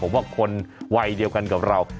ผมว่าคนวัยเดียวกันกับเรา